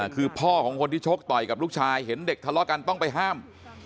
คือพ่อของคนที่ชกต่อยกับลูกชายเห็นเด็กทะเลาะกันต้องไปห้าม